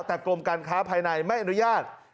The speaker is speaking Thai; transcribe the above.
แต่กรมการค้าภายในไม่อนุญาต